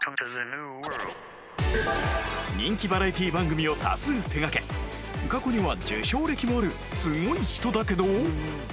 人気バラエティ番組を多数手がけ過去には受賞歴もあるすごい人だけど